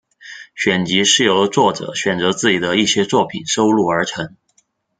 选集是由作者选择自己的一些作品收录而成的。